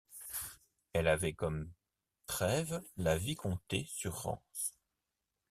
Elle avait comme trève La Vicomté-sur-Rance.